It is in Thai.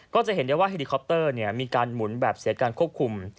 ก็จะเห็นได้ว่าเฮลิคอปเตอร์มีการหมุนแบบเสียการควบคุม